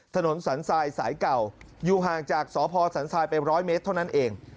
ถนนสันทรายสายเก่าอยู่ห่างจากสพสันทรายไป๑๐๐เมตรเท่านั้นเอง